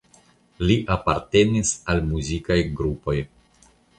Li apartenis al muzikaj grupoj.